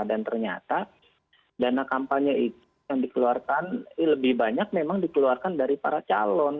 dan ternyata dana kampanye itu yang dikeluarkan lebih banyak memang dikeluarkan dari para calon